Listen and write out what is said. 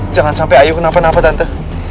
jangan sampai ayu kenapa napa tante